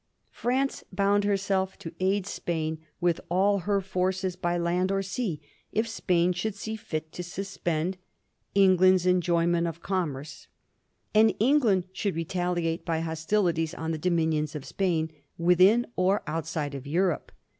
France bound herself to aid Spain with all her forces by land or sea if Spain should see fit to suspend '^ England'^ enjoyment of commerce," and England should retaliate by hostilities on the dominions of Spain, within or outside of Europe.